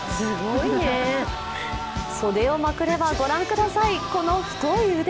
袖をまくれば、ご覧ください、この太い腕。